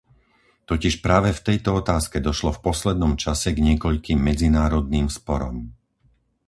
Totiž práve v tejto otázke došlo v poslednom čase k niekoľkým medzinárodným sporom.